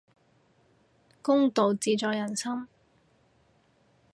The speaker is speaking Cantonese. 公道自在人心